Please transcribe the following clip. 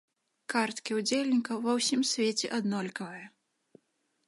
Карткі удзельнікаў ва ўсім свеце аднолькавыя.